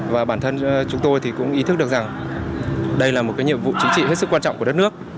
và bản thân chúng tôi thì cũng ý thức được rằng đây là một cái nhiệm vụ chính trị hết sức quan trọng của đất nước